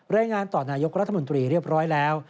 รายงานต่อนายกรัฐมนตรีเรียบร้อยแล้ว